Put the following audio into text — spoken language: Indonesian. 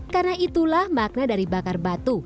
karena itulah makna dari bakar batu